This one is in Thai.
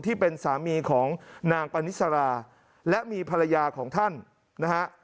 ที่เป็นสามีของนางปนิสราและมีภรรยาของท่านนะฮะ